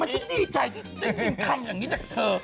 ฉันดีใจที่ได้ยินคำอย่างนี้จากเธอ